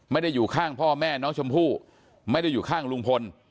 อยู่ข้างพ่อแม่น้องชมพู่ไม่ได้อยู่ข้างลุงพล